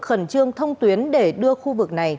khẩn trương thông tuyến để đưa khu vực này